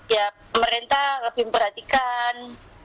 ya pemerintah lebih memperhatikan